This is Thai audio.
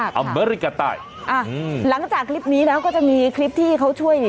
อเมริกาใต้อ่าอืมหลังจากคลิปนี้แล้วก็จะมีคลิปที่เขาช่วย